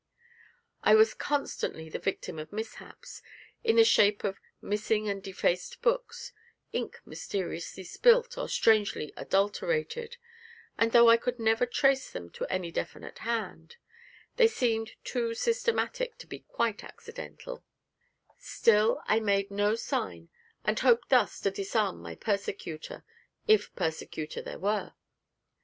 I was constantly the victim of mishaps, in the shape of missing and defaced books, ink mysteriously spilt or strangely adulterated, and, though I could never trace them to any definite hand, they seemed too systematic to be quite accidental; still I made no sign, and hoped thus to disarm my persecutor if persecutor there were.